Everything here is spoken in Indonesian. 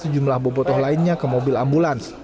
jumlah buputuh lainnya ke mobil ambulans